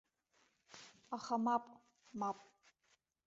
Аха мап, мап.